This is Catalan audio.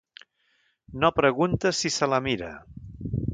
No pregunta si se la mira.